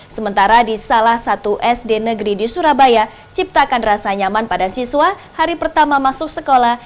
sementara di salah satu sd negeri di surabaya ciptakan rasa nyaman pada siswa hari pertama masuk sekolah